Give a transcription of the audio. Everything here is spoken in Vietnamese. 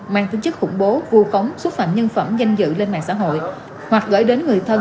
mang tính chức khủng bố vu khống xúc phạm nhân phẩm danh dự lên mạng xã hội hoặc gửi đến người thân